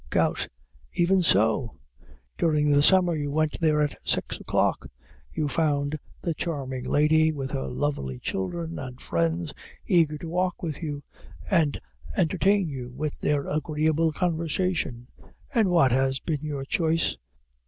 GOUT. Even so. During the summer you went there at six o'clock. You found the charming lady, with her lovely children and friends, eager to walk with you, and entertain you with their agreeable conversation; and what has been your choice?